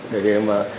để để mà